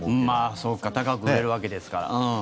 まあ、そうか高く売れるわけですから。